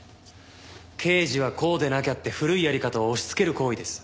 「刑事はこうでなきゃ」って古いやり方を押しつける行為です。